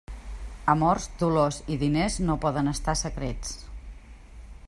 Amors, dolors i diners no poden estar secrets.